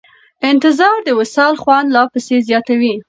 انتظار د وصال خوند لا پسې زیاتوي.